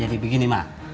jadi begini mak